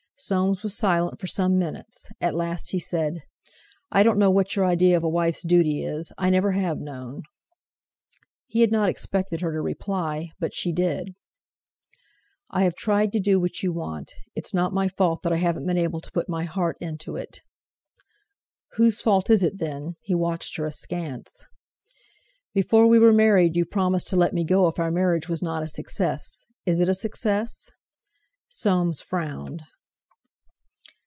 Soames was silent for some minutes; at last he said: "I don't know what your idea of a wife's duty is. I never have known!" He had not expected her to reply, but she did. "I have tried to do what you want; it's not my fault that I haven't been able to put my heart into it." "Whose fault is it, then?" He watched her askance. "Before we were married you promised to let me go if our marriage was not a success. Is it a success?" Soames frowned.